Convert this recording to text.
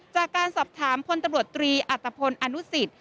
จากการสอบถามพตรตรีอัตภพรอนุสิทธิ์